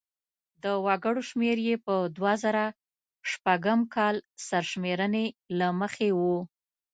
د وګړو شمېر یې په دوه زره شپږم کال سرشمېرنې له مخې و.